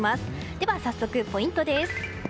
では早速、ポイントです。